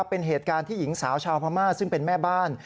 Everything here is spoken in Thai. เป็นเหตุการณ์ที่หญิงสาวชาวพม่าซึ่งเป็นแม่บ้าน